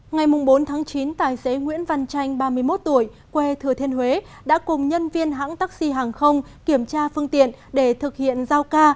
ngày bốn chín tài xế nguyễn văn chanh ba mươi một tuổi quê thừa thiên huế đã cùng nhân viên hãng taxi hàng không kiểm tra phương tiện để thực hiện giao ca